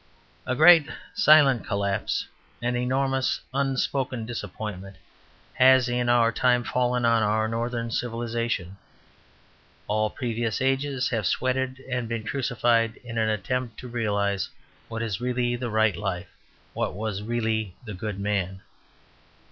A great silent collapse, an enormous unspoken disappointment, has in our time fallen on our Northern civilization. All previous ages have sweated and been crucified in an attempt to realize what is really the right life, what was really the good man.